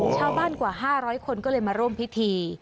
ชาวบ้านกว่า๕๐๐คนก็เลยมาร่วมพิธี